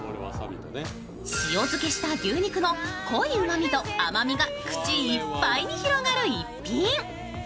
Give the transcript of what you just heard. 塩漬けした牛肉の濃いうまみと甘みが口いっぱいに広がる一品。